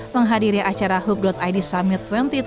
menghadiri acara hub id summit dua ribu dua puluh